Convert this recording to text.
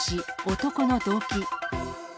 男の動機。